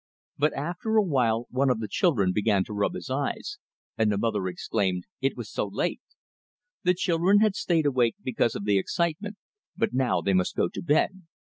But after a while one of the children began to rub his eyes, and the mother exclaimed it was so late! The children had stayed awake because of the excitement, but now they must go to bed.